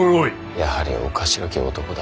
やはりおかしろき男だ。